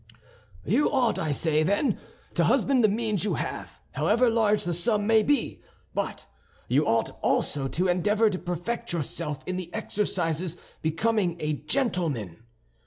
"You ought, I say, then, to husband the means you have, however large the sum may be; but you ought also to endeavor to perfect yourself in the exercises becoming a gentleman.